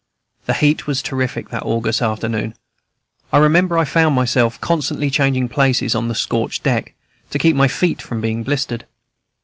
The heat was terrific that August afternoon; I remember I found myself constantly changing places, on the scorched deck, to keep my feet from being blistered.